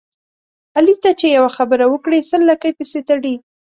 علي ته چې یوه خبره وکړې سل لکۍ پسې تړي.